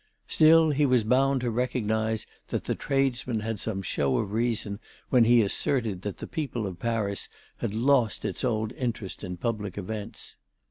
Still he was bound to recognize that the tradesman had some show of reason when he asserted that the people of Paris had lost its old interest in public events.